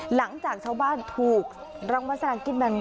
หลังจากชาวบ้านถูกรางวัลสลากินแบ่ง